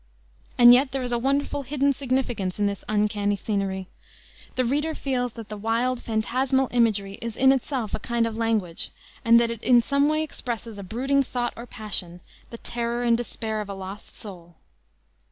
And yet there is a wonderful, hidden significance in this uncanny scenery. The reader feels that the wild, fantasmal imagery is in itself a kind of language, and that it in some way expresses a brooding thought or passion, the terror and despair of a lost soul.